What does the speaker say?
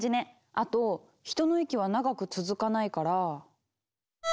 あと人の息は長く続かないから。